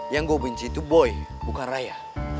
yang gue benci itu boy bukan raya